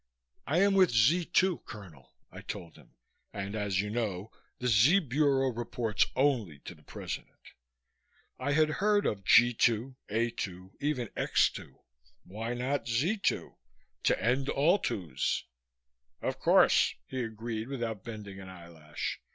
"I am with Z 2, Colonel," I told him, "and as you know the Z Bureau reports only to the President." I had heard of G 2, A 2, even X 2. Why not Z 2 to end all 2's. "Of course," he agreed without bending an eyelash.